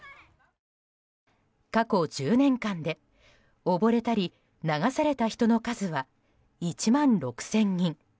過去１０年間で溺れたり流された人の数は１万６０００人。